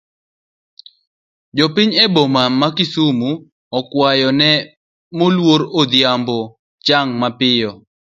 Jopiny e bomani ma kisumu okuayo ne moluor Odhiambo chang mapiyo.